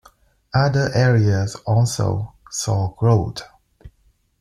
Other areas also saw growth.